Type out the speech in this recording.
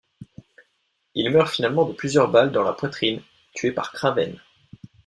Il meurt finalement de plusieurs balles dans la poitrine, tué par Kraven.